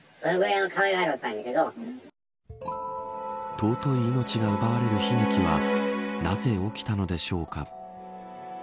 尊い命が奪われる悲劇はなぜ起きたのでしょうか。